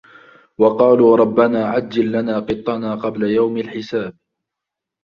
وَقالوا رَبَّنا عَجِّل لَنا قِطَّنا قَبلَ يَومِ الحِسابِ